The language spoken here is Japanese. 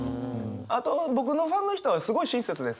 あと僕のファンの人はすごい親切ですね。